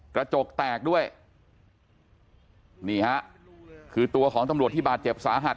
กระจกแตกด้วยนี่ฮะคือตัวของตำรวจที่บาดเจ็บสาหัส